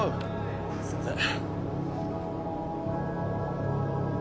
すいません